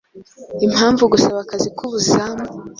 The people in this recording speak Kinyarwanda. Impamvu Gusaba akazi k’ubuzamu